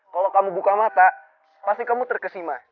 kalau kamu buka mata pasti kamu terkesima